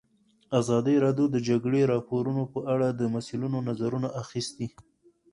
ازادي راډیو د د جګړې راپورونه په اړه د مسؤلینو نظرونه اخیستي.